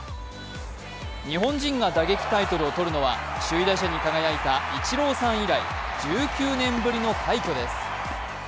日本人が打撃タイトルを取るのは首位打者に輝いたイチローさん以来、１９年ぶりの快挙です。